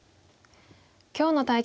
今日の対局